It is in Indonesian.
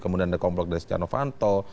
kemudian ada kelompok dari stiano fanto